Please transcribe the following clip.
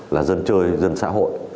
là dân chơi dân xã hội